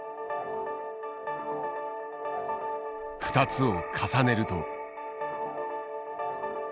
２つを重ねると。